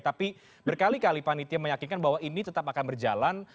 tapi berkali kali panitia meyakinkan bahwa ini tetap akan berjalan